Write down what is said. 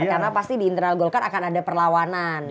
karena pasti di internal golkar akan ada perlawanan